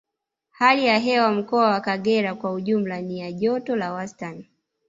Hali ya hewa mkoa wa Kagera kwa ujumla ni ya joto la wastani